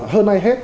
hơn ai hết